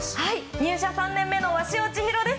入社３年目の鷲尾千尋です。